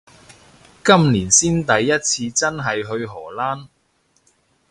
今年先第一次真係去荷蘭